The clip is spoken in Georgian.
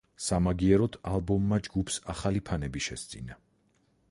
სამაგიეროდ ალბომმა ჯგუფს ახალი ფანები შესძინა.